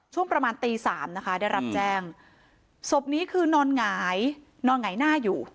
ช่วงประมาณตีสามนะคะได้รับแจ้งศพนี้คือนอนหงายนอนหงายหน้าอยู่